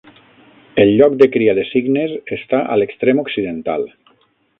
El lloc de cria de cignes està a l'extrem occidental.